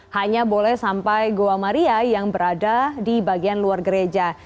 hanya boleh sampai goa maria yang berada di bagian luar gereja